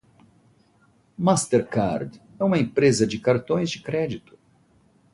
Mastercard é uma empresa de cartões de crédito.